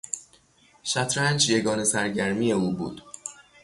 شطرنج یگانه سرگرمی او بود.